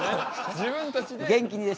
自分たちで。